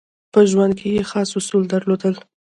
په ژوند کې یې خاص اصول درلودل.